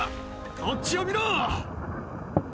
こっちを見ろ！